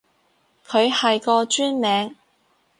佢係個專名